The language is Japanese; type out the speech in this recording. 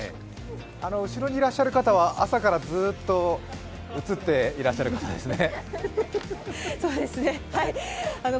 後ろにいらっしゃる方は朝からずっと映ってらっしゃる方ですね。